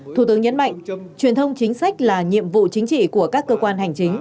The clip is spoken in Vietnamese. thủ tướng nhấn mạnh truyền thông chính sách là nhiệm vụ chính trị của các cơ quan hành chính